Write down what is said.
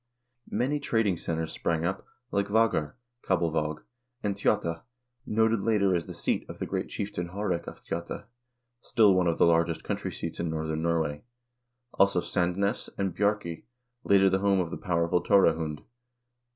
Many trading centers sprang up, like Vagar (Kabelvaag), and Tjotta, noted later as the seat of the great chieftain Haarek af Tjotta, still one of the largest country seats in northern Norway; also Sandness, and Bjarkey, later the home of the powerful Tore Hund.